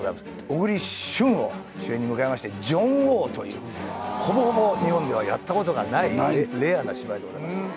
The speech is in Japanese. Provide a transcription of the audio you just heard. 小栗旬を主演に迎えまして『ジョン王』というほぼほぼ日本ではやったことがないレアな芝居でございます。